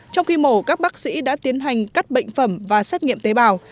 trong khi mổ các bác sĩ đã tiến hành cắt bệnh phẩm và xét nghiệm tế bào